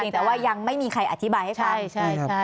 แต่ว่ายังไม่มีใครอธิบายให้ฟัง